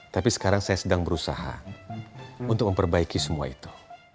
tapi sekarang saya sedang berusaha untuk memperbaiki semua itu